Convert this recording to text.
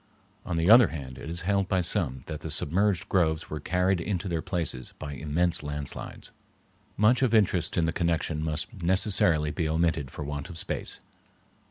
On the other hand, it is held by some that the submerged groves were carried into their places by immense landslides. Much of interest in the connection must necessarily be omitted for want of space.